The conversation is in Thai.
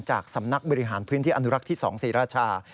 จากสำนักบริหารพื้นที่อนุรักษ์ที่๒ศรีราชา